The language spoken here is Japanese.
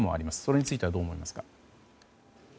それについてはどう思いますか？